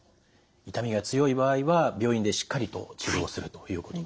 痛みが強い場合は病院でしっかりと治療するということ。